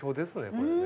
これね。